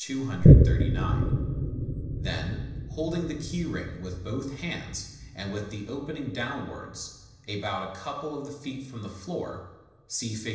239 Then, holding the key ring with both hands, and with the open ing downwards, about a couple of feet from the floor (see Fig.